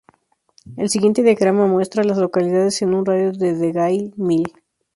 El siguiente diagrama muestra a las localidades en un radio de de Gayle Mill.